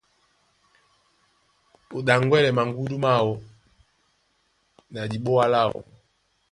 Ó ɗaŋgwɛlɛ maŋgúndú máō na diɓoa láō.